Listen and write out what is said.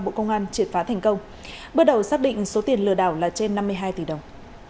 bộ công an triệt phá thành công bước đầu xác định số tiền lừa đảo là trên năm mươi hai tỷ đồng